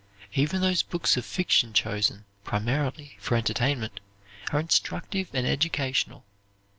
Even those books of fiction chosen, primarily, for entertainment, are instructive and educational.